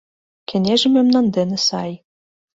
— Кеҥежым мемнан дене сай...